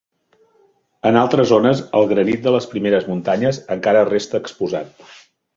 En altres zones, el granit de les primeres muntanyes encara resta exposat.